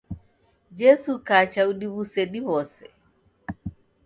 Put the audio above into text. Jesu ukacha udiw'usa diw'ose.